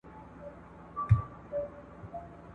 هغه د شعرونو دوولس مجموعې چاپ کړې !.